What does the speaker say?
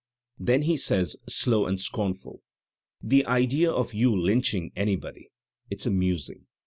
"Then he saysi slow and scornful: "* The idea of y(m lynching anybody ! It's amusing.